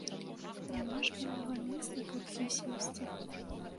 Няма ж вольнага месца, каб дзе сесці.